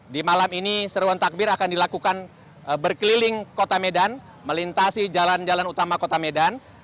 di malam ini seruan takbir akan dilakukan berkeliling kota medan melintasi jalan jalan utama kota medan